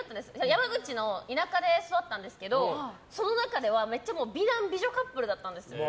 山口の田舎で育ったんですけどその中では、めっちゃ美男美女カップルだったんです。